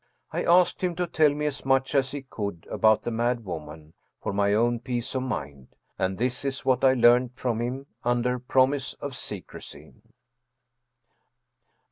I asked him to tell me as much as he could about the mad woman, for my own peace of mind ; and this is what I learned from him under promise of secrecy.